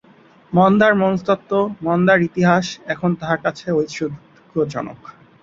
মন্দার মনস্তত্ত্ব, মন্দার ইতিহাস, এখন তাহার কাছে ঔৎসুক্যজনক।